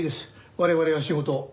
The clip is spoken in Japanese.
我々は仕事を。